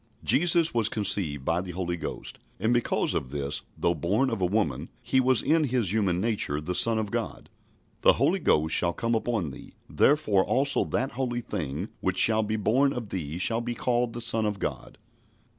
" Jesus was conceived by the Holy Ghost, and, because of this, though born of a woman, He was in His human nature the Son of God. "The Holy Ghost shall come upon thee ... therefore also that holy thing which shall be born of thee shall be called the Son of God."